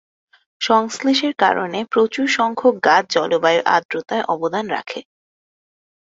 সংশ্লেষের কারণে প্রচুর সংখ্যক গাছ জলবায়ুর আর্দ্রতায় অবদান রাখে।